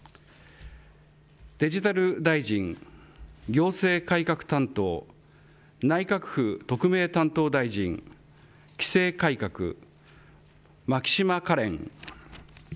デジタル大臣、行政改革担当、内閣府特命担当大臣、規制改革、牧島かれん。